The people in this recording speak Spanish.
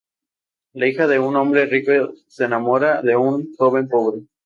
La hija de un hombre rico se enamora de un joven pobre.